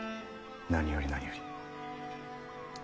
何より何より。